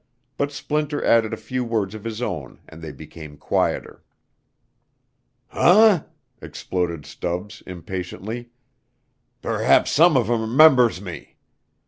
But Splinter added a few words of his own and they became quieter. "Huh?" exploded Stubbs, impatiently; "perhaps some of 'em 'members me.